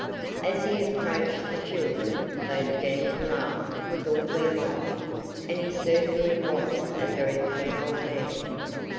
As he approached the children, they began to laugh with all their might; and he certainly was a very funny old man.